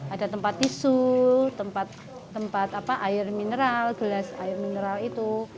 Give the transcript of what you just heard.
ada tempat tisu tempat air mineral gelas air mineral itu